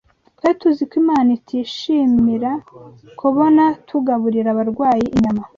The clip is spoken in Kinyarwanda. Twari tuzi ko Imana itishimira kubona tugaburira abarwayi inyama.